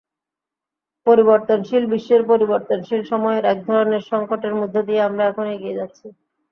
পরিবর্তনশীল বিশ্বের পরিবর্তনশীল সময়ের একধরনের সংকটের মধ্য দিয়ে আমরা এখন এগিয়ে যাচ্ছি।